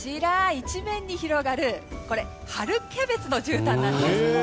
一面に広がる春キャベツのじゅうたんなんです。